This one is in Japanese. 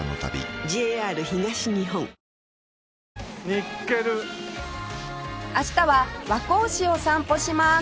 「ニッケル」明日は和光市を散歩します